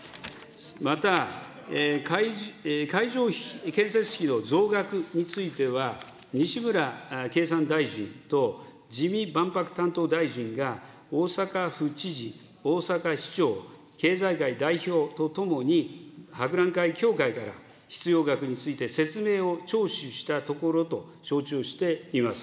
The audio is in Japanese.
また、会場建設費の増額については、西村経産大臣と自見万博担当大臣が、大阪府知事、大阪市長、経済界代表と共に博覧会協会から、必要額について説明を聴取したところと承知をしています。